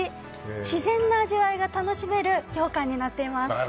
自然な味わいが楽しめるようかんになっています。